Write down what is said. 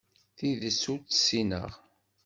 Tidet ur tt-ssineɣ.